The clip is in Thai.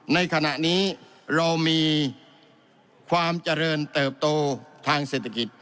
ในขณะนี้เรามีความเจริญเติบโตทางเศรษฐกิจ